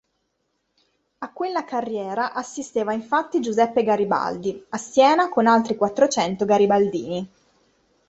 A quella "carriera" assisteva infatti Giuseppe Garibaldi, a Siena con altri quattrocento garibaldini.